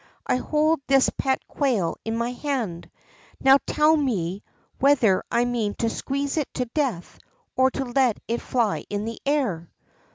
I hold this pet quail in my hand; now tell me whether I mean to squeeze it to death, or to let it fly in the air."